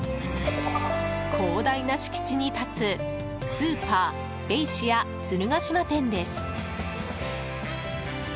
広大な敷地に立つスーパーベイシア鶴ヶ島店です。